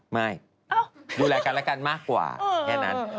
ไม่ดูแลกันและกันมากกว่าแค่นั้น